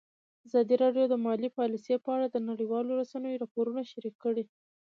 ازادي راډیو د مالي پالیسي په اړه د نړیوالو رسنیو راپورونه شریک کړي.